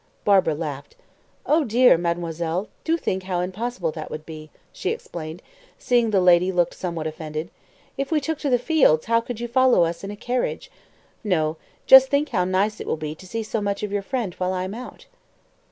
Barbara laughed. "Oh, dear, mademoiselle, do think how impossible that would be," she explained, seeing the lady looked somewhat offended. "If we took to the fields how could you follow us in a carriage? No; just think how nice it will be to see so much of your friend while I am out."